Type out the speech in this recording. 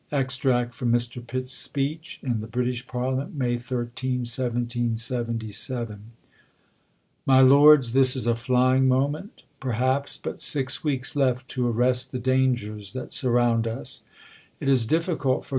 Extract from Mr. Pitt's Speech in the British Parliament, May 13, 1777. Mv Lords, THIS is a ilying moment ; perhaps but six weeks left to arrest the dangers that surround us. It is liifficult for.